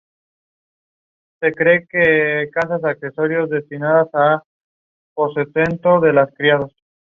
Desde ese momento en adelante se convertiría en municipio.